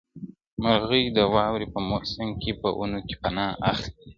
مرغۍ د واورې په موسم کې په ونو کې پناه اخلي.